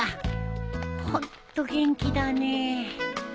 ホント元気だね。